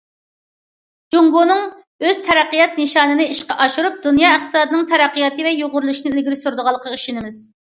جۇڭگونىڭ ئۆز تەرەققىيات نىشانىنى ئىشقا ئاشۇرۇپ، دۇنيا ئىقتىسادىنىڭ تەرەققىياتى ۋە يۇغۇرۇلۇشىنى ئىلگىرى سۈرىدىغانلىقىغا ئىشىنىمىز.